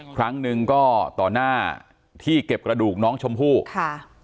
ครั้งหนึ่งก็ต่อหน้าที่เก็บกระดูกน้องชมพู่ค่ะ